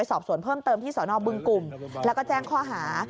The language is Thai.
สอบสวนเพิ่มเติมที่สนบึงกลุ่มแล้วก็แจ้งข้อหา